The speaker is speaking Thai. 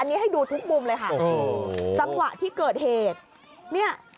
อันนี้ให้ดูทุกมุมเลยค่ะจังหวะที่เกิดเหตุเนี่ย